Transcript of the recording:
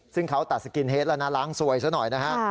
ซึ่งเขาตัดสกินเฮดแล้วนะล้างสวยซะหน่อยนะฮะ